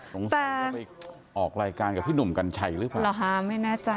ตรงสุนทรจะไปออกรายการกับพี่หนุ่มกันใช่หรือเปล่า